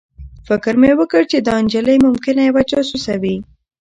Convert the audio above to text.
فکر مې وکړ چې دا نجلۍ ممکنه یوه جاسوسه وي